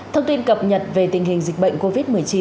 thông tin cập nhật về tình hình dịch bệnh covid một mươi chín